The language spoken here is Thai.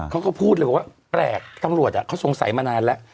เขาก็พูดเลยบอกว่าแปลกตำรวจเขาสงสัยมานานแล้ว